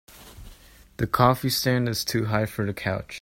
The coffee stand is too high for the couch.